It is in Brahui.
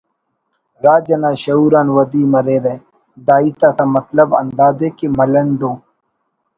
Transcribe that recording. راج انا شعور آن ودی مریرہ “ دا ہیت آتا مطلب ہندادے کہ ملنڈ و